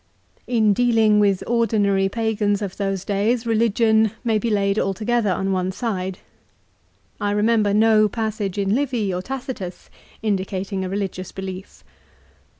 In dealing with ordinary pagans of those days religion may be laid altogether on one side. I remember no passage in Livy or Tacitus indicating a religious belief.